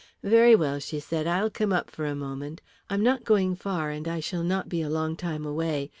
"Very well," she said, "I'll come up for a moment. I'm not going far, and I shall not be a long time away.